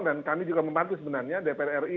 dan kami juga mematuhi sebenarnya dpr ri